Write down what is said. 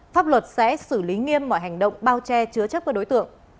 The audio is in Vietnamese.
pháp luật sẽ xử lý nghiêm mọi hành động bao che chứa chấp các đối tượng